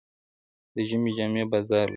د ژمي جامې بازار لري.